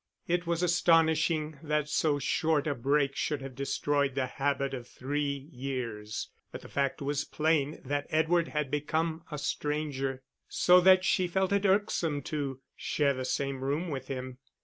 It was astonishing that so short a break should have destroyed the habit of three years; but the fact was plain that Edward had become a stranger, so that she felt it irksome to share the same room with him.